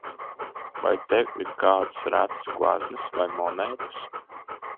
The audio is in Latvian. Vai tev ir kādas retas gleznas vai monētas?